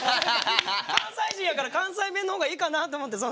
関西人やから関西弁の方がいいかなと思ってその時は。